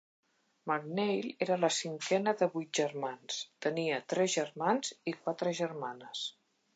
MacNeil era la cinquena de vuit germans; tenia tres germans i quatre germanes.